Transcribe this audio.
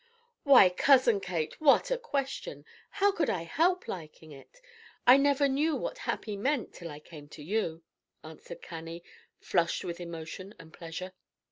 "Why, Cousin Kate, what a question! How could I help liking it? I never knew what happy meant, till I came to you," answered Cannie, flushed with emotion and pleasure.